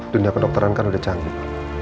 dunia kedokteran kan udah canggih